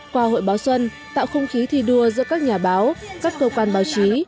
qua hội báo xuân tạo không khí thi đua giữa các nhà báo các cơ quan báo chí